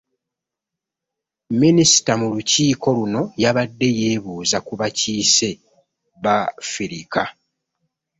Minisita mu lukiiko luno yabadde yeebuuza ku bakiise b'Afirika